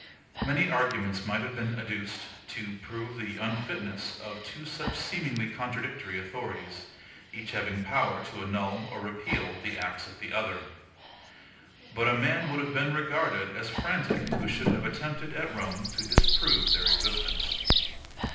Many arguments might have been adduced to prove the unfitness of two such seemingly contradictory authorities, each having power to ANNUL or REPEAL the acts of the other. But a man would have been regarded as frantic who should have attempted at Rome to disprove their existence.